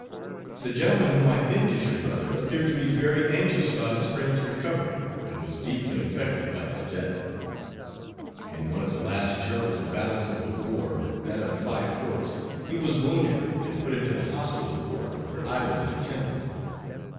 The gentleman whom I think is your brother appeared to be very anxious about his friend's recovery, and was deeply affected by his death. In one of the last terrible battles of the war, that of Five Forks, he was wounded and put into the hospital ward where I was an attendant.